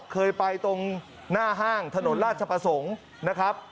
เคยไปตรงหน้าห้างถนนราชประสงค์นะครับ